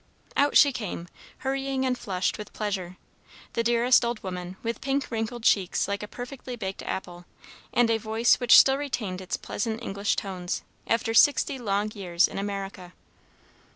Out she came, hurrying and flushed with pleasure, the dearest old woman, with pink, wrinkled cheeks like a perfectly baked apple, and a voice which still retained its pleasant English tones, after sixty long years in America.